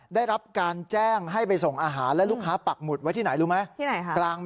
ได้รับการแจ้งให้ไปส่งอาหารและลูกค้าปักหมุดไว้ที่ไหนรู้ไหมที่ไหนค่ะ